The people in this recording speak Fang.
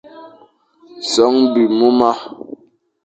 Son bibmuma.